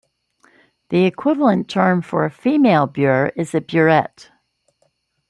The equivalent term for a female beur is a beurette.